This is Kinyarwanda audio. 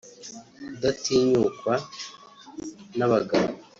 Kudatinyukwa n’abagabo